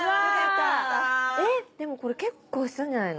これ結構したんじゃないの？